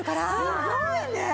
すごいね！